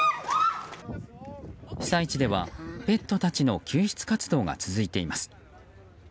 被災地では、ペットたちの救出活動が続いています。